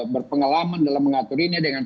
berpengalaman dalam mengatur ini dengan